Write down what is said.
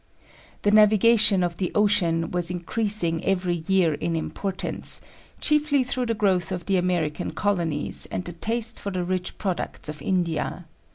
The navigation of the ocean was increasing every year in importance, chiefly through the growth of the American colonies and the taste for the rich products of India.